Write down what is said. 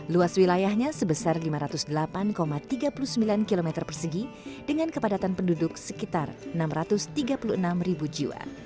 luas wilayahnya sebesar lima ratus delapan tiga puluh sembilan km persegi dengan kepadatan penduduk sekitar enam ratus tiga puluh enam ribu jiwa